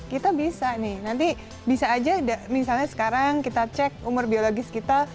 kita bisa nih nanti bisa aja misalnya sekarang kita cek umur biologis kita